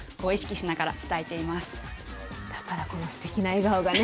だからこのすてきな笑顔がね。